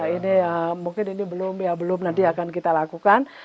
ini mungkin ini belum ya belum nanti akan kita lakukan